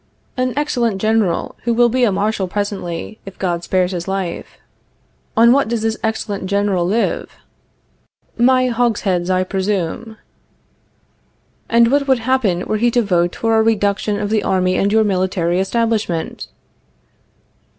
An excellent General, who will be a Marshal presently, if God spares his life. On what does this excellent General live? My hogsheads, I presume. And what would happen were he to vote for a reduction of the army and your military establishment?